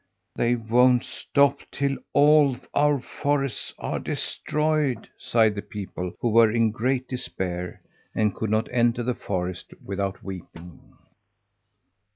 "They won't stop till all our forests are destroyed!" sighed the people, who were in great despair, and could not enter the forest without weeping.